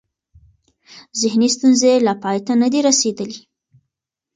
ذهني ستونزې یې لا پای ته نه دي رسېدلې.